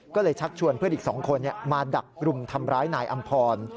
ก็เลยชักชวนเพื่อนอีก๒คนมาดักรุมทำร้ายนายอำพร